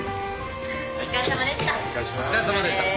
お疲れさまでした。